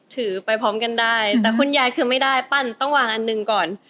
ถือไปพร้อมกันได้แต่คุณยายคือไม่ได้ปั้นต้องวางอันหนึ่งก่อน